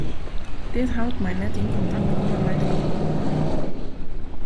Dit hout mei net yn kontakt komme mei de grûn.